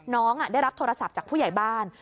น้องได้รับโทรศัพท์จากผู้ใหญ่บ้าน